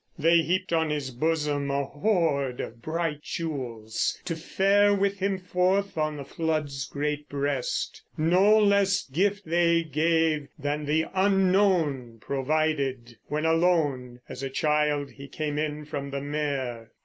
They heaped on his bosom a hoard of bright jewels To fare with him forth on the flood's great breast. No less gift they gave than the Unknown provided, When alone, as a child, he came in from the mere.